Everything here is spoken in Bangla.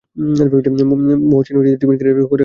মহসিন টিফিন ক্যারিয়ারে করে খাবার নিয়ে এসেছিল।